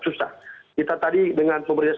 susah kita tadi dengan pemerintah